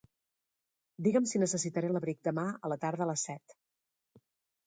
Digue'm si necessitaré l'abric demà a la tarda a les set.